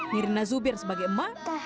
nirna zubir sebagai ema